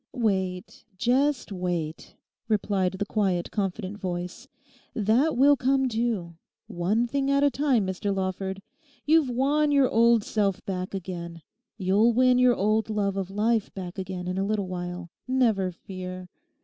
'Wait; just wait,' replied the quiet confident voice, 'that will come too. One thing at a time, Mr Lawford. You've won your old self back again; you'll win your old love of life back again in a little while; never fear.